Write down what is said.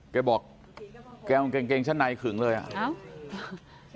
แกบอกแกเอากางเกงชั้นในขึงเลยอ่ะ